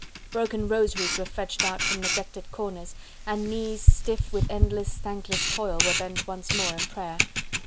Broken rosaries were fetched out from neglected corners, and knees stiff with endless, thankless toil were bent once more in prayer.